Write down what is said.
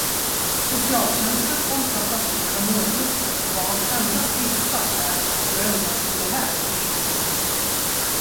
Socialtjänsten omfattar flera målgrupper, varav endast vissa är aktuella i det här direktivet.